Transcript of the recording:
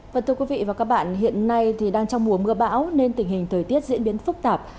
vật tư quý vị và các bạn hiện nay thì đang trong mùa mưa bão nên tình hình thời tiết diễn biến phức tạp